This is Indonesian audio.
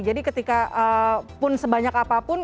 jadi ketikapun sebanyak apapun